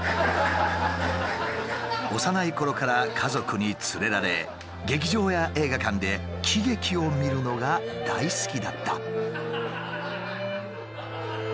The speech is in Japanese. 幼いころから家族に連れられ劇場や映画館で喜劇を見るのが大好きだった。